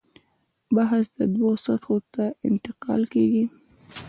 بحث دوو سطحو ته انتقال کېږي.